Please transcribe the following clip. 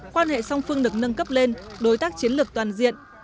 quan hệ song phương được nâng cấp lên đối tác chiến lược toàn diện